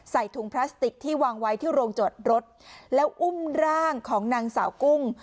ถุงพลาสติกที่วางไว้ที่โรงจอดรถแล้วอุ้มร่างของนางสาวกุ้ง